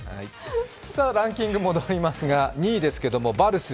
ランキングに戻りますが、２位ですけれど、バルス。